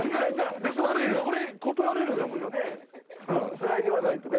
それは言わないとね。